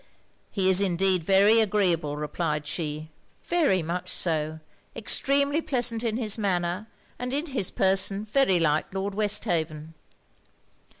'He is indeed very agreeable,' replied she 'very much so. Extremely pleasant in his manner, and in his person very like Lord Westhaven.'